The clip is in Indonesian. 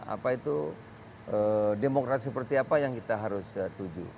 apa itu demokrasi seperti apa yang kita harus tuju